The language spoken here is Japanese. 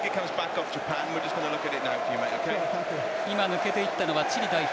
今、抜けていったのはチリ代表。